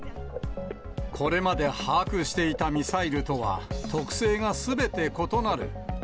これまで把握していたミサイルとは特性がすべて異なる。